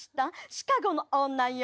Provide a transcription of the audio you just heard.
シカゴの女よ。